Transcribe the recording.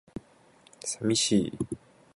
寂しい